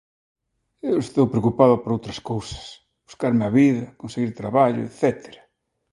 Eu estou preocupado por outras cousas: buscarme a vida, conseguir traballo etcétera.